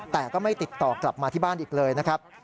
แต่ก็ไม่ติดต่อกลับมาที่บ้านอีกเลยนะครับ